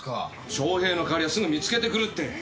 翔平の代わりはすぐ見つけてくるって。